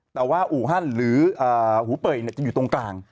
แต่ว่าอู่ฮั่นหรือหูเป่ยจะอยู่ตรงกลาง